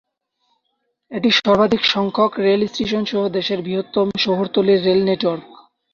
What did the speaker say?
এটি সর্বাধিক সংখ্যক রেল স্টেশন সহ দেশের বৃহত্তম শহরতলির রেল নেটওয়ার্ক।